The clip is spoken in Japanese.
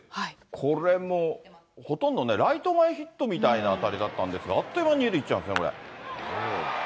これもほとんどね、ライト前ヒットみたいな当たりだったんですが、あっという間に２塁行っちゃうんですね、これ。